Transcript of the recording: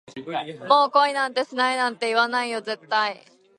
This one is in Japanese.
もう恋なんてしないなんて、言わないよ絶対